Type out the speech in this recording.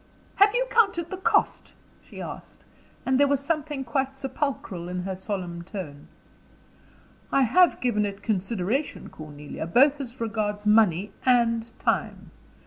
"Have you counted the cost?" she asked, and there was something quite sepulchral in her solemn tone. "I have given it consideration, Cornelia; both as regards money and time.